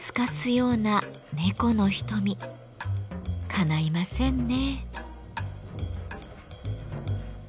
かないませんね。